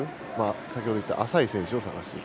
先ほど言った浅い選手を探していく。